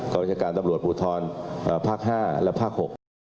กองบัญชาการตำรวจปูทรเอ่อภาคห้าและภาคหก